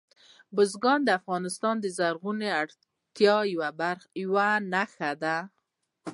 بزګان د افغانستان د زرغونتیا یوه نښه ده.